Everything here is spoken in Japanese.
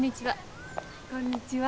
こんにちは。